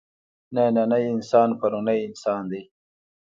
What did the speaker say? نننی انسان پروني انسان دی.